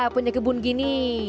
punya kebun gini